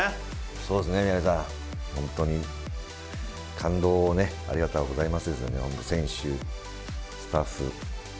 そうですね、宮根さん、本当に、感動をね、ありがとうございますですよね、選手、スタッフ。